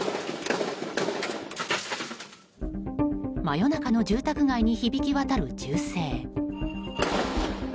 真夜中の住宅街に響き渡る銃声。